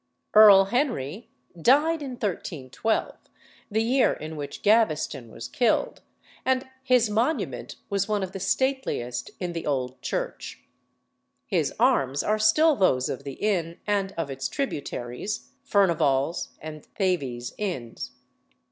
Earl Henry died in 1312, the year in which Gaveston was killed, and his monument was one of the stateliest in the old church. His arms are still those of the inn and of its tributaries, Furnival's and Thavies inns.